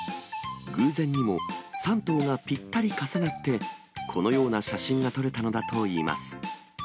偶然にも、３頭がぴったり重なって、このような写真が撮れたのだといいます。